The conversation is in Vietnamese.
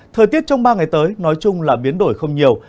thời tiết trong ba ngày tới nói chung là biến đổi không nhiều